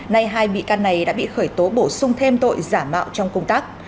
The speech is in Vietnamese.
nay hai bị can này đã bị khởi tố bổ sung thêm tội giả mạo trong công tác